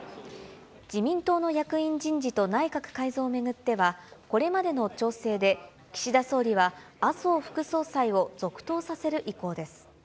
自民党の役員人事と内閣改造を巡ってはこれまでの調整で、岸田総理は麻生副総裁を続投させる意向です。